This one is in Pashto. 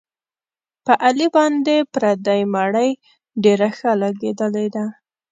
په علي باندې پردۍ مړۍ ډېره ښه لګېدلې ده.